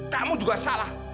kamu juga salah